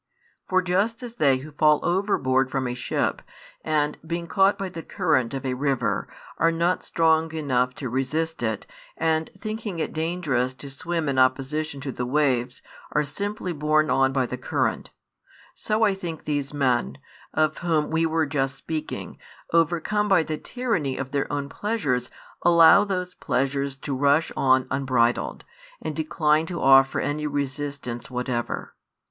|53 For just as they who fall overboard from a ship, and, being caught by the current of a river, are not strong enough to resist it, and, thinking it dangerous to swim in opposition to the waves, are simply borne on by the current; so I think these men, of whom we were just speaking, overcome by the tyranny of their own pleasures allow those pleasures to rush on unbridled, and decline to offer any resistance whatever.